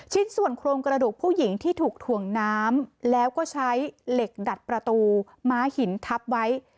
ส่วนโครงกระดูกผู้หญิงที่ถูกถ่วงน้ำแล้วก็ใช้เหล็กดัดประตูม้าหินทับไว้